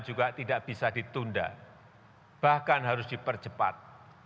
juga tidak bisa ditunda bahkan harus dipercepat